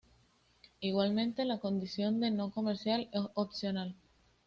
Igualmente la condición de "No Comercial" es opcional.